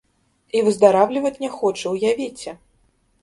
І выздараўліваць не хоча, уявіце!